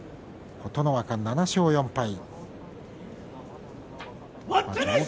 琴ノ若７勝４敗。